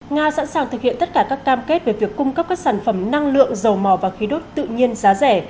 nga sẵn sàng thực hiện tất cả các cam kết về việc cung cấp các sản phẩm năng lượng dầu mỏ và khí đốt tự nhiên giá rẻ